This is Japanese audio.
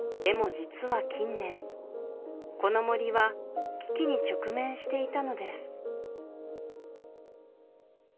実は近年この森は危機に直面していたのです